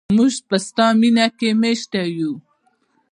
موږ په ستا مینه کې میشته یو.